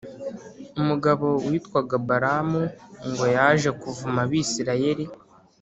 umugabo witwaga Balamu ngo yaje kuvuma Abisirayeli